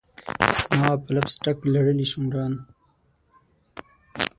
زما په لپ سټک لړلي شونډان